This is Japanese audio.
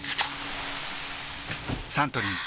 サントリー「金麦」